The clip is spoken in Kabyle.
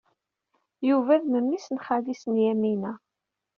Yuba d memmi-s n xali-s n Yamina.